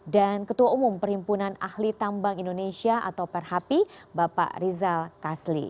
dan ketua umum perhimpunan ahli tambang indonesia atau perhapi bapak rizal kasli